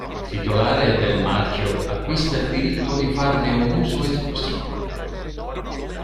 Il titolare del marchio acquista il diritto di farne un uso esclusivo.